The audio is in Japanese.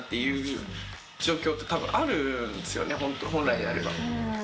本来であれば。